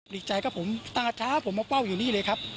ดีใจครับผมตาช้าผมมาเฝ้าอยู่นี่เลยครับ